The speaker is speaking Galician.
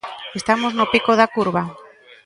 Estamos no pico da curva?